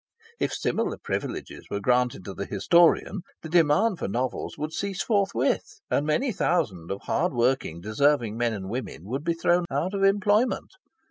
If similar privileges were granted to the historian, the demand for novels would cease forthwith, and many thousand of hard working, deserving men and women would be thrown out of employment.